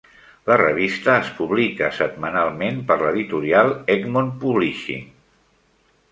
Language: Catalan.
La revista es publica setmanalment per l'editorial Egmont Publishing.